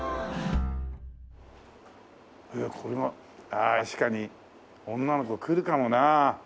ああ確かに女の子来るかもなあ。